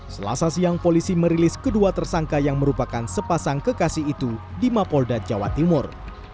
selasa siang polisi merilis kedua tersangka yang merupakan sepasang kekasih itu di mapolda jawa timur